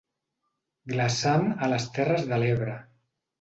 Glaçant a les terres de l'Ebre.